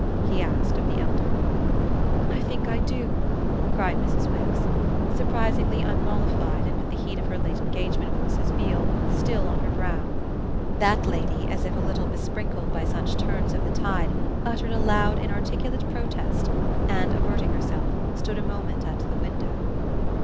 he asked of the elder. "I think I do!" cried Mrs. Wix, surprisingly un mollified and with the heat of her late engagement with Mrs. Beale still on her brow. That lady, as if a little besprinkled by such turns of the tide, uttered a loud inarticulate protest and, averting herself, stood a moment at the window.